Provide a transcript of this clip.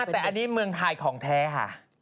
แต่อันนี้เมืองไทยของแท้ค่ะ